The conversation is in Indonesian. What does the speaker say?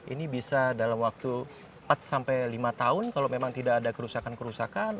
ini bisa dalam waktu empat sampai lima tahun kalau memang tidak ada kerusakan kerusakan